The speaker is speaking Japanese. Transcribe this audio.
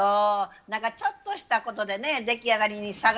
なんかちょっとしたことでね出来上がりに差があるんですよね。